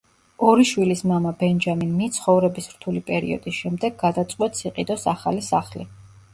ორი შვილის მამა ბენჯამინ მი ცხოვრების რთული პერიოდის შემდეგ გადაწყვეტს იყიდოს ახალი სახლი.